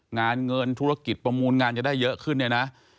เงินธุรกิจประมูลงานจะได้เยอะขึ้นเนี่ยนะ